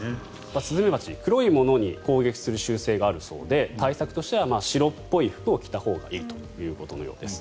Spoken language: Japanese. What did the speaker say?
スズメバチは黒いものに攻撃する習性があるようで対策としては白っぽい服を着たほうがいいそうです。